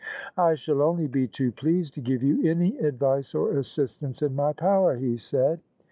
" I shall only be too pleased to give you any advice or assistance in my power," he said.